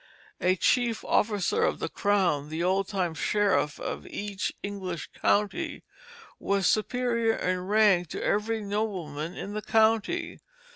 As chief officer of the Crown, the old time sheriff of each English county was superior in rank to every nobleman in the county.